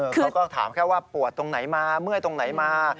เขาก็ถามแค่ว่าปวดตรงไหนมาเมื่อยตรงไหนมา